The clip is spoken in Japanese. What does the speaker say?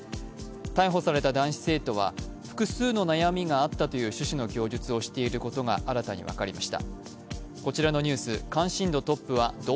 逮捕された男子生徒は複数の悩みがあったという趣旨の供述をしていることが新たに分かりました。